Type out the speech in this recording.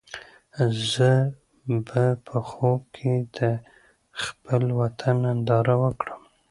زه به په خوب کې د خپل وطن ننداره وکړم.